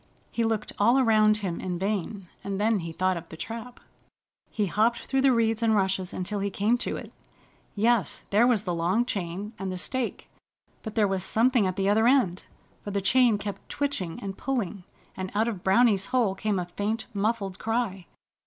He looked all around him in vain, and then he thought of the trap. He hopped through the reeds and rushes until he came to it. Yes, there was the long chain, and the stake, but there was something at the other end, for the chain kept twitching and pulling. And out of Browny's hole came a faint, muffled cry.